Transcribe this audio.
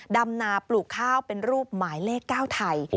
ดำนาปลูกข้าวเป็นรูปหมายเลข๙ไทย